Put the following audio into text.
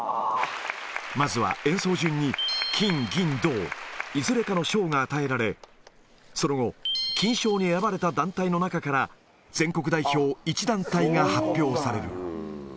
まずは演奏順に金、銀、銅、いずれかの賞が与えられ、その後、金賞に選ばれた団体の中から、全国代表１団体が発表される。